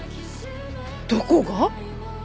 どこが！？